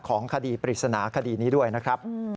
ของคดีปริศนาคดีนี้ด้วยนะครับ